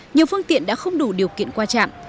nhiều phương tiện đã không đủ điều kiện qua trạm